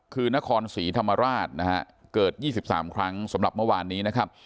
คือนครศรีธรรมราชนะฮะเกิด๒๓ครั้งสำหรับเมื่อวานนี้นะครับ